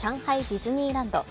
ディズニーランド。